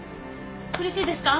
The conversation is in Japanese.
苦しいですか？